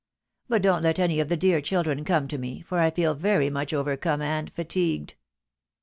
But don't let any of the dear children come to me, for I feel very much overcome and fatigued."